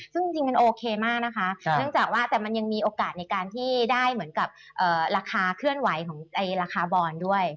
ซึ่งจริงมันโอเคมากนะคะเนื่องจากว่าแต่มันยังมีโอกาสในการที่ได้เหมือนกับราคาเคลื่อนไหวของราคาบอลด้วย